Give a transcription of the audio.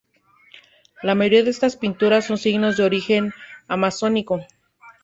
La mayoría de estas pinturas son signos de origen amazónico.